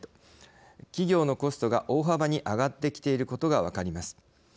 企業のコストが大幅に上がってきていることが分かります。